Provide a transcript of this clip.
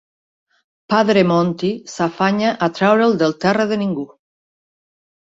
Padre Monty s'afanya a treure'l de Terra de Ningú.